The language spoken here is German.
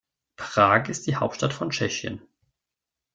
Prag ist die Hauptstadt von Tschechien.